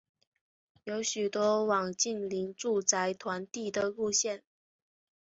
有许多网近邻住宅团地的路线。